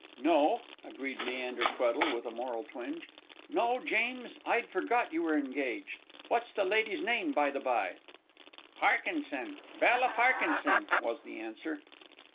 "No," agreed Leander Tweddle, with a moral twinge, "no, James. I'd forgot you were engaged. What's the lady's name, by the by?" "Parkinson; Bella Parkinson," was the answer.